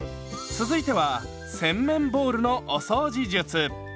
続いては洗面ボウルのお掃除術。